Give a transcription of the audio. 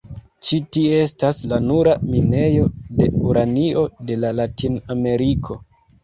Ĉi tie estas la nura minejo de uranio de la Latin-Ameriko.